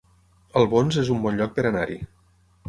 Albons es un bon lloc per anar-hi